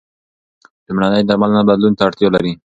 لومړنۍ درملنه بدلون ته اړتیا لري.